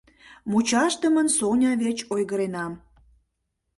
Мучашдымын Соня верч ойгыренам.